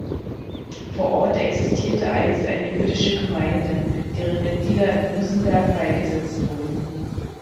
Vor Ort existierte einst eine jüdische Gemeinde, deren Mitglieder in Busenberg beigesetzt wurden.